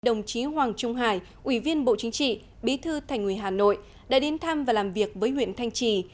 đồng chí hoàng trung hải ủy viên bộ chính trị bí thư thành ủy hà nội đã đến thăm và làm việc với huyện thanh trì